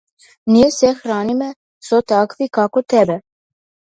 Ние се храниме со таквите како тебе.